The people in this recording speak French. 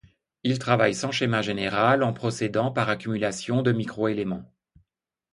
Il travaille sans schéma général, en procédant par accumulation de micro-éléments.